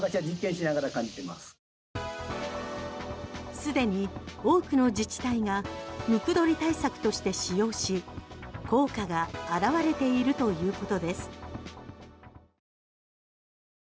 すでに多くの自治体がムクドリ対策として使用し効果が表れているということです。